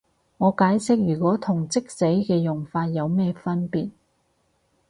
我解釋如果同即使嘅用法有咩分別